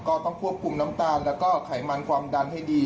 ก็ต้องควบคุมน้ำตาลแล้วก็ไขมันความดันให้ดี